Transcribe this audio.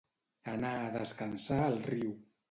Anar a descansar al riu.